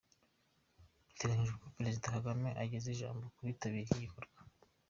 Biteganyijwe ko Perezida Kagame ageza ijambo ku bitabiriye iki gikorwa.